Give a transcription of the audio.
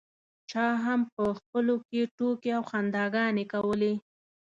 چا هم په خپلو کې ټوکې او خنداګانې کولې.